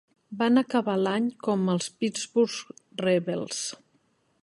Van acabar l'any com els Pittsburgh Rebels.